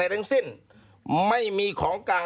ทั้งสิ้นไม่มีของกลาง